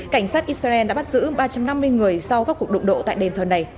cảnh sát israel đã bắt giữ ba trăm năm mươi người sau các cuộc đụng độ tại đền thờ này